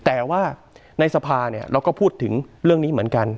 แต่ว่าในสภาเราก็พูดถึงเรื่องนี้เหมือนกัน